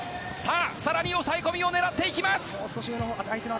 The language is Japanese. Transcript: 更に抑え込みを狙っていきます！